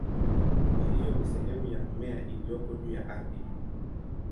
Kwa hiyo ni sehemu ya mmea iliyopo juu ya ardhi.